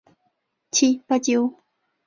安魂弥撒乐团。